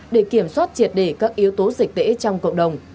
để kiểm soát triệt đề các yếu tố dịch tễ trong cộng đồng